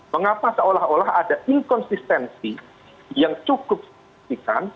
mengapa seolah olah ada inkonsistensi yang cukup signifikan